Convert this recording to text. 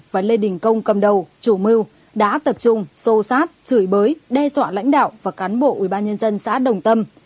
và lê đình công cầm đầu chủ mưu đã tập trung xô sát chửi bới đe dọa lãnh đạo và cán bộ ubnd xã đồng tâm